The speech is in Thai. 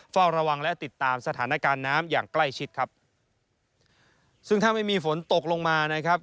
เฝ้าระวังและติดตามสถานการณ์น้ำอย่างใกล้ชิดครับซึ่งถ้าไม่มีฝนตกลงมานะครับ